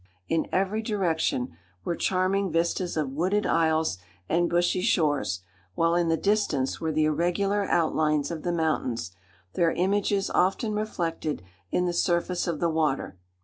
In every direction were charming vistas of wooded isles and bushy shores, while in the distance were the irregular outlines of the mountains, their images often reflected in the surface of the water.